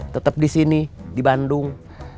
tetap di sini di bandung